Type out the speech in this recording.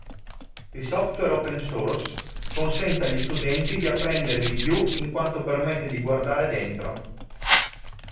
Il software open source consente agli studenti di apprendere di più in quanto permette di guardare dentro.